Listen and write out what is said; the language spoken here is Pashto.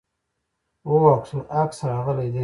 هو، عکس راغلی دی